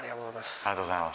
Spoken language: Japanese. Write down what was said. ありがとうございます。